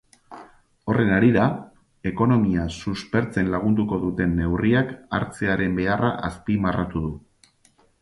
Horren harira, ekonomia suspertzen lagunduko duten neurriak hartzearen beharra azpimarratu du.